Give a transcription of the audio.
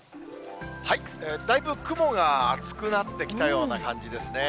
だいぶ雲が厚くなってきたような感じですね。